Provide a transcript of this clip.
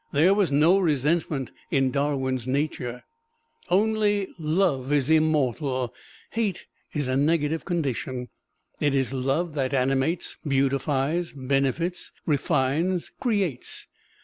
There was no resentment in Darwin's nature. Only love is immortal hate is a negative condition. It is love that animates, beautifies, benefits, refines, creates.